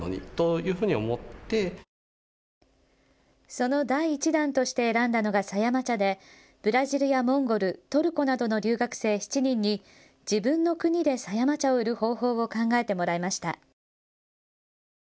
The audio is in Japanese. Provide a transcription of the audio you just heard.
その第１弾として選んだのが狭山茶でブラジルやモンゴル、トルコなどの留学生７人に自分の国で狭山茶を売る方法を考えてもらいました。